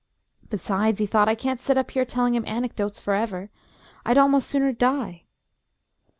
"Besides," he thought, "I can't sit up here telling him anecdotes for ever. I'd almost sooner die!"